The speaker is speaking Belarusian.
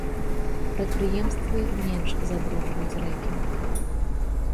Прадпрыемствы менш забруджваюць рэкі.